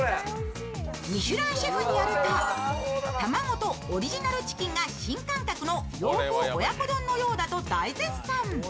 ミシュランシェフによると卵とオリジナルチキンが両方新感覚の洋風親子丼のようだと大絶賛。